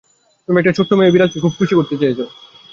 তুমি একটা ছোট্ট মেয়ে আর বিড়ালকে খুব খুশি করতে চলেছ।